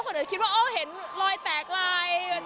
คนเดินฯเลยคิดว่าอ้าวเห็นรอยแตกลาย